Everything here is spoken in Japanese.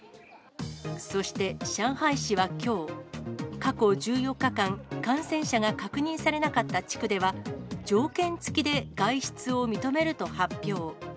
そして、上海市はきょう、過去１４日間、感染者が確認されなかった地区では、条件付きで外出を認めると発表。